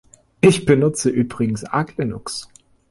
Ich benutze übrigens Arch Linux.